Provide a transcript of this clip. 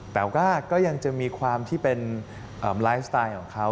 แต่ว่าก็ยังจะมีความที่เป็นไลฟ์สไตล์ของเขา